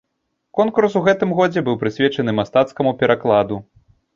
Конкурс у гэтым годзе быў прысвечаны мастацкаму перакладу.